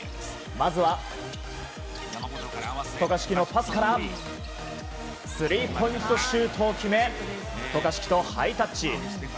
まずは、渡嘉敷のパスからスリーポイントシュートを決め渡嘉敷とハイタッチ。